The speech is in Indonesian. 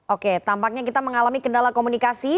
oke tampaknya kita mengalami kendala komunikasi